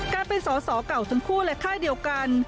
การเป็นสอสอเก่าทั้งคู่และค่ายเดียวกัน